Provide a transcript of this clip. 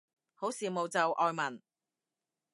好羨慕就外文